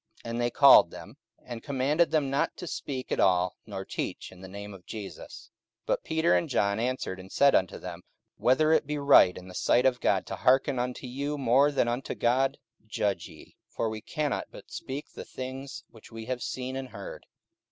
44:004:018 And they called them, and commanded them not to speak at all nor teach in the name of Jesus. 44:004:019 But Peter and John answered and said unto them, Whether it be right in the sight of God to hearken unto you more than unto God, judge ye. 44:004:020 For we cannot but speak the things which we have seen and heard.